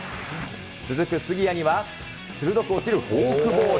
続く杉谷には、鋭く落ちるフォークボール。